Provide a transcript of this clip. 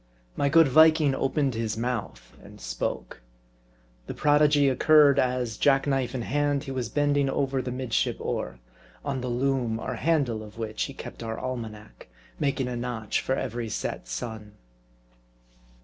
My good Viking opened his mouth, and spoke. The prodigy occurred, as, jacknife in hand, he was bending over the midship oar ; on the loom, or handle, of which he kept our almanac ; making a notch for every set sun.